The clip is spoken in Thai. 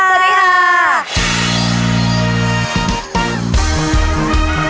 สวัสดีค่ะ